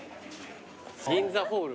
銀座ホール。